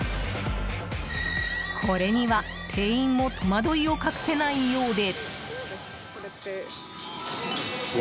これには店員も戸惑いを隠せないようで。